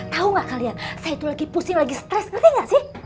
tahu gak kalian saya itu lagi pusing lagi stres penting gak sih